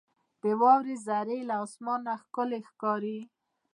• د واورې ذرې له اسمانه ښکلي ښکاري.